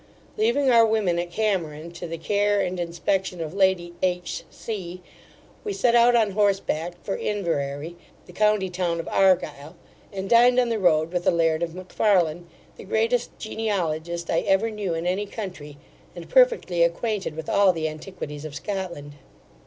Leaving our women at Cameron, to the care and inspection of Lady H C , we set out on horseback for Inverary, the county town of Argyle, and dined on the road with the Laird of Macfarlane, the greatest genealogist I ever knew in any country, and perfectly acquainted with all the antiquities of Scotland.